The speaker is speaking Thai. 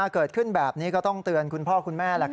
เกิดขึ้นแบบนี้ก็ต้องเตือนคุณพ่อคุณแม่